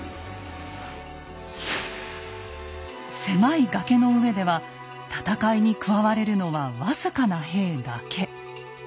狭い崖の上では戦いに加われるのは僅かな兵だけ。